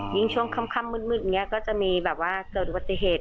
ยิ่งช่วงค่ำมืดอย่างนี้ก็จะมีแบบว่าเกิดอุบัติเหตุ